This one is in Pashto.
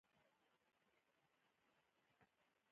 ښه نو اوس دا دوه ساعته به څنګه تېرېږي.